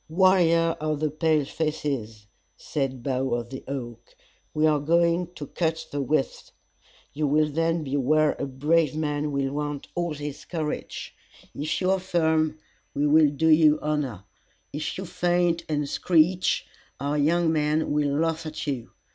"Warrior of the pale faces," said Bough of the Oak, "we are going to cut the withe. You will then be where a brave man will want all his courage. If you are firm, we will do you honor; if you faint and screech, our young men will laugh at you.